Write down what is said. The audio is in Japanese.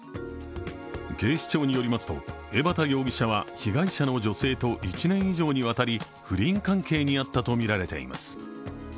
警視庁によりますと江畑容疑者は被害者の女性と１年以上にわたり不倫関係にあったとみられています。